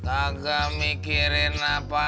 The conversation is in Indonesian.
agak mikirin apa